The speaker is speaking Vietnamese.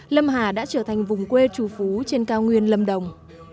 lâm hà đã trở thành vùng quê trù phú trên cao nguyên lâm đồng